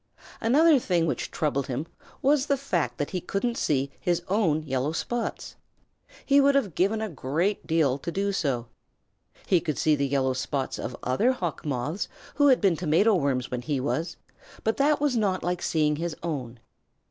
Another thing which troubled him was the fact that he couldn't see his own yellow spots. He would have given a great deal to do so. He could see the yellow spots of other Hawk Moths who had been Tomato Worms when he was, but that was not like seeing his own.